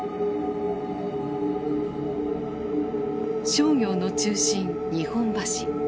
商業の中心日本橋。